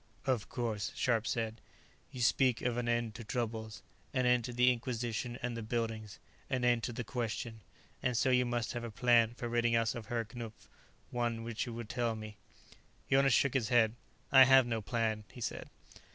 "Of course," Scharpe said. "You speak of an end to troubles, an end to the Inquisition and the burnings, an end to the question. And so you must have a plan for ridding us of Herr Knupf; one which you will tell me." Jonas shook his head. "I have no plan," he said.